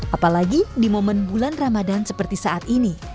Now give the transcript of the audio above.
apalagi di momen bulan ramadan seperti saat ini